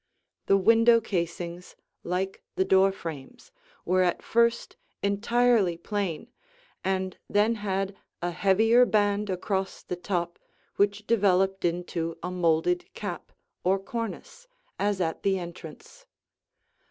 The window casings, like the door frames, were at first entirely plain and then had a heavier band across the top which developed into a molded cap or cornice, as at the entrance.